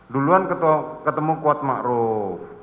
duluan ketemu kuat ma'ruf